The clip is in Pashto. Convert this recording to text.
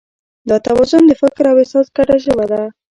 دا توازن د فکر او احساس ګډه ژبه ده.